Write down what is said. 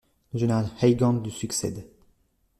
Le général Weygand lui succède.